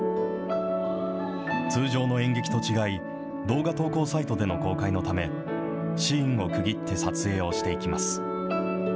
通常の演劇と違い、動画投稿サイトでの公開のため、シーンを区切って撮影をしていきます。